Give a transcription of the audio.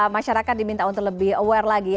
masyarakat diminta untuk lebih aware lagi